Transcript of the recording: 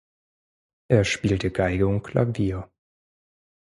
Er spielte Geige und Klavier.